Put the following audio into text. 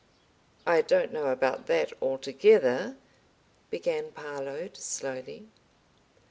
"I don't know about that altogether," began Parload, slowly.